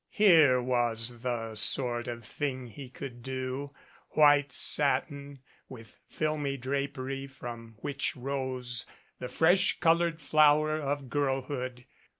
Here was the sort of thing he could do white satin with filmy drapery from which rose the fresh colored flower of girlhood.